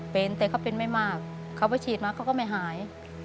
เป็นแต่เขาเป็นไม่มากเขาไปฉีดมาเขาก็ไม่หาย